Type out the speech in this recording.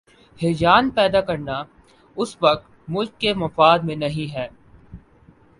ہیجان پیدا کرنا اس وقت ملک کے مفاد میں نہیں ہے۔